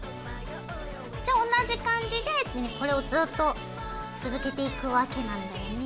じゃあ同じ感じでこれをずっと続けていくわけなんだよね。